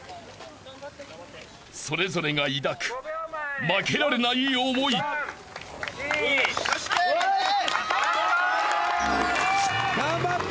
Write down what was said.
［それぞれが抱く負けられない思い］頑張って！